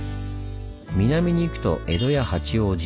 南に行くと江戸や八王子。